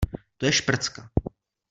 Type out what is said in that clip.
To je šprcka.